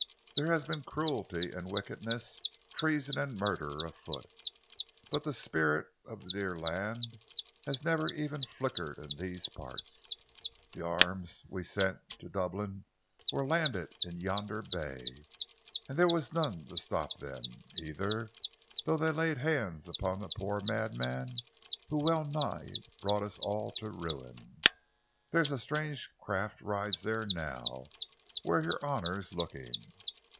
There has been cruelty and wickedness, treason and murder afoot, but the spirit of the dear land has never even flickered in these parts. The arms we sent to Dublin were landed in yonder bay, and there was none to stop them, either, though they laid hands on that poor madman who well nigh brought us all to ruin. There's strange craft rides there now, where your honour's looking."